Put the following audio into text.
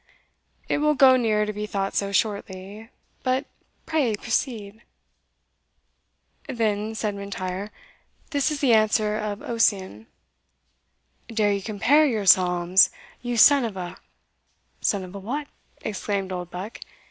"It will go near to be thought so shortly but pray proceed." "Then," said M'Intyre, "this is the answer of Ossian: Dare you compare your psalms, You son of a " "Son of a what?" exclaimed Oldbuck.